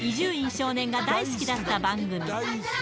少年が大好きだった番組。